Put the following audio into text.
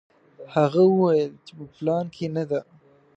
هغه وویل چې په پلان کې نه ده.